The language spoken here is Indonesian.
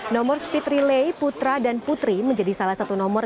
nomor speed relay putra dan putri menjadi salah satu nomor